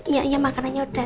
ya ya makanannya udah